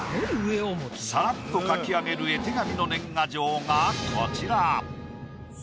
さらっと描き上げる絵手紙の年賀状がこちら。